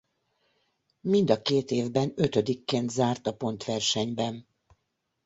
Mind a két évben ötödikként zárt a pontversenyben.